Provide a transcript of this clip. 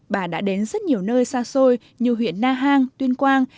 bà đã đến rất nhiều nơi xa xôi như huyện na hàng tuyên quang